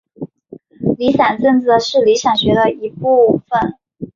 离散政治是离散学的一部份。